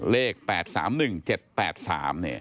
เลข๘๓๑๗๘๓เนี่ย